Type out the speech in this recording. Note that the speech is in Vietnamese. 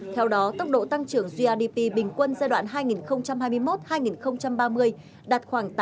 theo đó tốc độ tăng trưởng grdp bình quân giai đoạn hai nghìn hai mươi một hai nghìn ba mươi đạt khoảng tám mươi